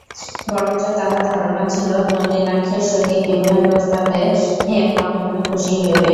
বরঞ্চ তাঁহার ধারণা ছিল, নলিনাক্ষের সহিত বিবাহের প্রস্তাবে হেম মনে মনে খুশিই হইবে।